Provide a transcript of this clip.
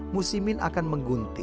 musimin akan menggukiti